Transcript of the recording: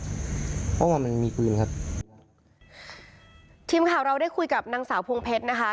ใช่ครับออกมานี้กวิ่งครับไชเมืองที่มาเราได้คุยกับนางสาวพงเพชรนะคะ